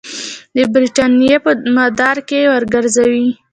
د برټانیې په مدار کې وګرځوي.